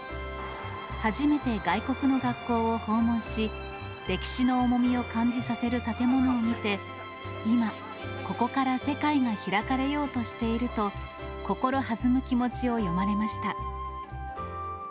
初めて外国の学校を訪問し、歴史の重みを感じさせる建物を見て、今、ここから世界が開かれようとしていると、心弾む気持ちを詠まれました。